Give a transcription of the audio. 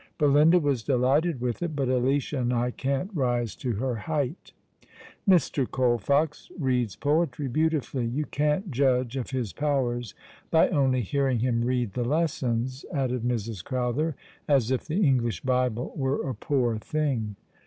Belinda was delighted with it — but Alicia and I can't rise to her height. Mr. Colfox reads poetry beautifully. You can't judge of his powers by only hearing him read the lessons/' added Mrs. Crowther, as if the English Bible were a poor thing.